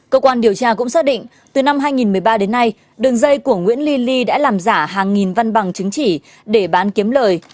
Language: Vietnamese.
cơ quan điều tra cũng xác định từ năm hai nghìn một mươi ba đến nay đường dây của nguyễn ly ly đã làm giả hàng nghìn văn bằng chứng chỉ để bán kiếm lời